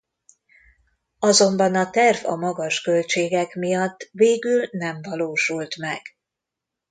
Azonban a terv a magas költségek miatt végül nem valósult meg.